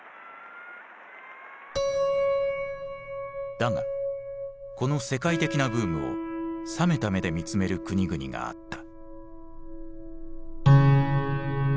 だがこの世界的なブームを冷めた目で見つめる国々があった。